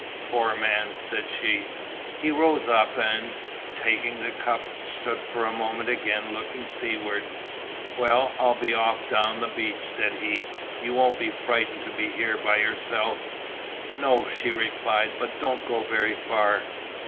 "Poor man," said she. He rose up and, taking the cup, stood for a moment again looking seaward. "Well, I'll be off down the beach," said he, "you won't be frightened to be here by yourself?" "No," she replied, "but don't go very far."